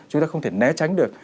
chúng ta không thể né tránh được